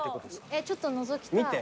ちょっとのぞきたい。